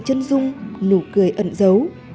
chân dung nụ cười ẩn dấu